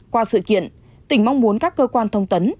qua sự kiện tỉnh mong muốn các cơ quan thông tấn